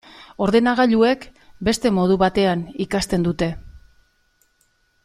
Ordenagailuek beste modu batean ikasten dute.